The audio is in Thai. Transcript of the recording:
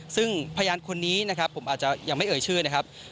ซึ่งพยานคนนี้นะครับผมอาจจะยังไม่เอ่ยชื่อนะครับ